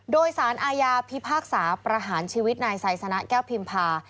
โดยสารอาญาพิพากษาประหารชีวิตนายไซสนะแก้วพิมพา